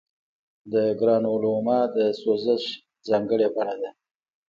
د ګرانولوما د سوزش ځانګړې بڼه ده.